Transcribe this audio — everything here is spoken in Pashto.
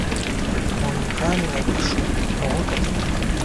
مومن خان راویښ شو او وکتل.